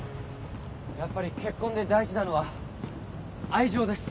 やっぱり結婚で大事なのは愛情です。